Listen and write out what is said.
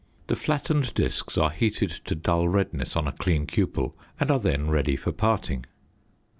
The flattened discs are heated to dull redness on a clean cupel and are then ready for parting.